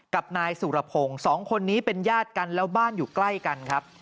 กับนายสุรพงศ์สองคนนี้เป็นญาติกันแล้วบ้านอยู่ใกล้กันครับ